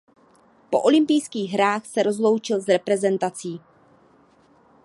Po olympijských hrách se rozloučil s reprezentací.